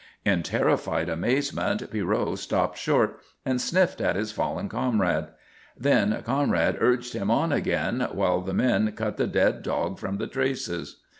In terrified amazement Pierrot stopped short and sniffed at his fallen comrade. Then Conrad urged him on again while the men cut the dead dog from the traces.